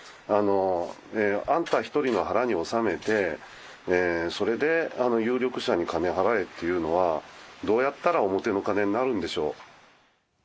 あんた一人の腹に収めて、それで有力者に金払えっていうのは、どうやったら表の金になるんでしょう。